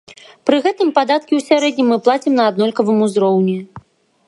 Пры гэтым падаткі ў сярэднім мы плацім на аднолькавым ўзроўні.